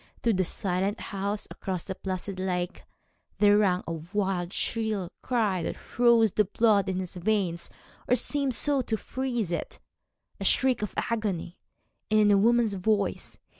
Through the silent house, across the placid lake, there rang a wild, shrill cry that froze the blood in his veins, or seemed so to freeze it a shriek of agony, and in a woman's voice.